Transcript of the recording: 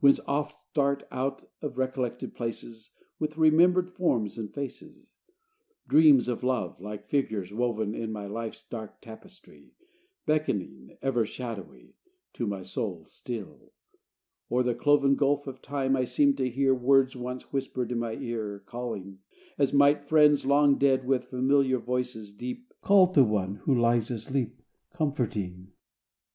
whence oft start Out of recollected places, With remembered forms and faces, Dreams of love, like figures, woven In my life's dark tapestry, Beckoning, ever shadowy, To my soul still. O'er the cloven Gulf of time I seem to hear Words once whispered in my ear, Calling as might friends long dead, With familiar voices deep, Call to one who lies asleep, Comforting.